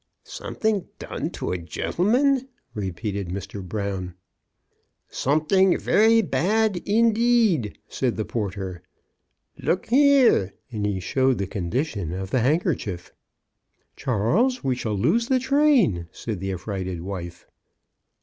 *' Something done to a gentleman !" repeated Mr. Brown. *' Something very bad indeed," said the por ter. Look here"; and he showed the condi tion of the handkerchief. " Charles, we shall lose the train," said the affrighted wife.